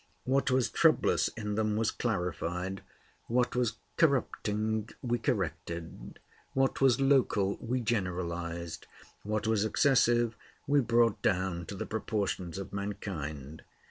What was troublous in them we clarified; what was corrupting we corrected; what was local we generalized; what was excessive we brought down to the proportions of mankind.